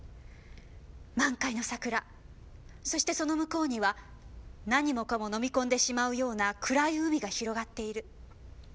満開の桜そしてその向こうには何もかも飲み込んでしまうような暗い海が広がっている」。